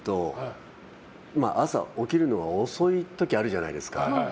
朝起きるのが遅い時あるじゃないですか。